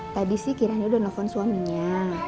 tadi sih kiranya udah nelfon suaminya